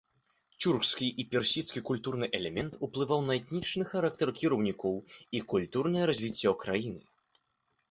Цюркскі і персідскі культурны элемент уплываў на этнічны характар кіраўнікоў і культурнае развіццё краіны.